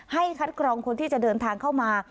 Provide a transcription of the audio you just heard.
คัดกรองคนที่จะเดินทางเข้ามา